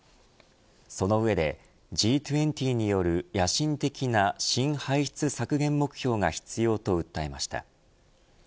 その上で、Ｇ２０による野心的な新排出削減目標が必要と訴えました。